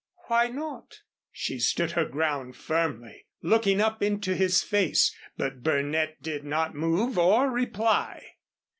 "Why not?" She stood her ground firmly, looking up into his face, but Burnett did not move or reply.